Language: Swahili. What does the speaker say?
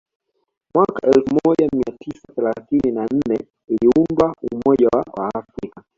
Mwaka elfu moja mia tisa thelathini na nne uliundwa umoja wa Waafrika